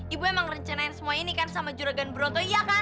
ibu emang rencanain semua ini kan sama juragan broto iya kan